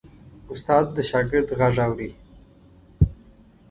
استاد د شاګرد غږ اوري.